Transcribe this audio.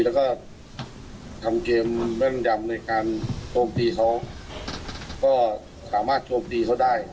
แล้วก็ทำเกมแม่นยำในการโจมตีเขาก็สามารถโชคดีเขาได้